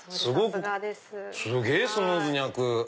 すげぇスムーズに開く！